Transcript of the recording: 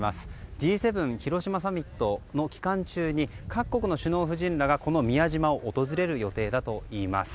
Ｇ７広島サミットの期間中に各国の首脳夫人らがこの宮島を訪れる予定だといいます。